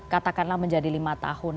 katakanlah menjadi lima tahun